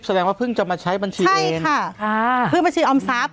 แสดงว่าเพิ่งจะมาใช้บัญชีเองใช่ค่ะค่ะเพิ่งบัญชีออมทรัพย์